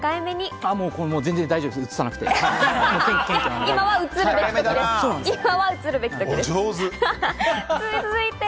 大丈夫です、映さなくて。